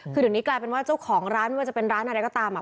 คือเดี๋ยวนี้กลายเป็นว่าเจ้าของร้านไม่ว่าจะเป็นร้านอะไรก็ตาม